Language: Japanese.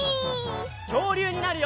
きょうりゅうになるよ！